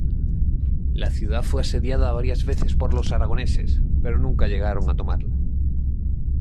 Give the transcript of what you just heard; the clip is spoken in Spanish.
La ciudad fue asediada varias veces por los aragoneses, pero nunca llegaron a tomarla.